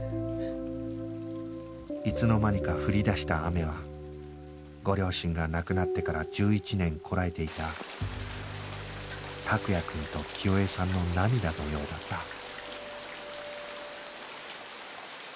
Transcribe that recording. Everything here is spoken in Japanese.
いつの間にか降り出した雨はご両親が亡くなってから１１年こらえていた託也くんと清江さんの涙のようだった